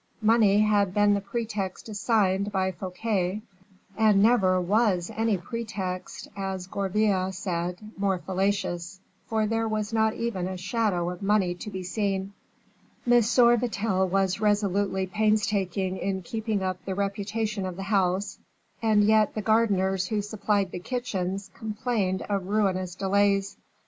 Money had been the pretext assigned by Fouquet, and never was any pretext, as Gourville said, more fallacious, for there was not even a shadow of money to be seen. M. Vatel was resolutely painstaking in keeping up the reputation of the house, and yet the gardeners who supplied the kitchens complained of ruinous delays.